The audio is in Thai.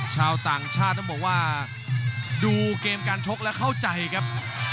ชาวต่างชาติต้องบอกว่าดูเกมการชกแล้วเข้าใจครับ